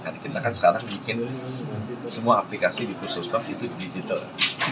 karena kita kan sekarang bikin semua aplikasi di khusus mas itu digital